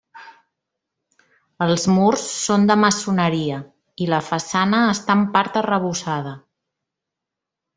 Els murs són de maçoneria, i la façana està en part arrebossada.